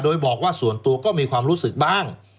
โดยบอกว่าส่วนตัวก็มีความรู้สึกบ้าง